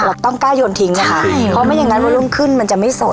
เราต้องกล้าโยนทิ้งนะคะใช่เพราะไม่อย่างนั้นวันรุ่งขึ้นมันจะไม่สด